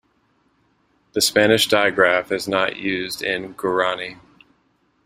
The Spanish digraph is not used in Guarani.